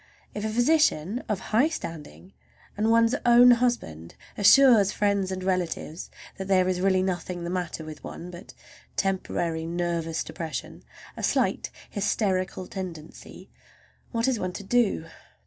If a physician of high standing, and one's own husband, assures friends and relatives that there is really nothing the matter with one but temporary nervous depression—a slight hysterical tendency—what is one to do?